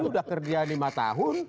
udah kerja lima tahun